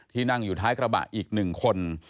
นั่งอยู่ท้ายกระบะอีก๑คน